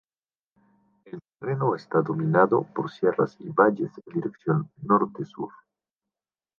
El terreno está dominado por sierras y valles en dirección norte-sur.